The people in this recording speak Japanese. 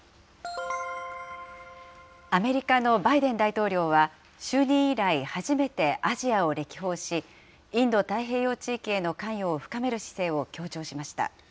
アメリカのバイデン大統領は、就任以来、初めてアジアを歴訪し、インド太平洋地域への関与を深める姿勢を強調しました。